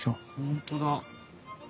本当だ。